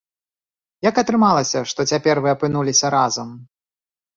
Як атрымалася, што цяпер вы апынуліся разам?